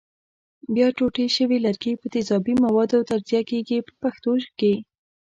بیا ټوټې شوي لرګي په تیزابي موادو تجزیه کېږي په پښتو کې.